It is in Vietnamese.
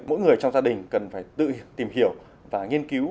mỗi người trong gia đình cần phải tự tìm hiểu và nghiên cứu